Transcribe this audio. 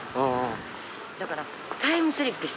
だからタイムスリップしてんねんな。